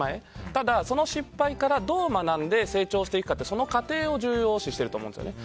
ただ、その失敗からどう学んで成長していくかのその過程を重要視していると思うんですよね。